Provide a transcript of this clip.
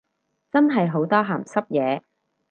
真係好多鹹濕嘢